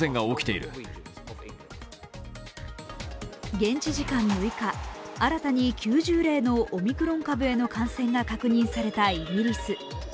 現地時間６日、新たに９０例のオミクロン株への感染が確認されたイギリス。